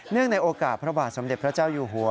ในโอกาสพระบาทสมเด็จพระเจ้าอยู่หัว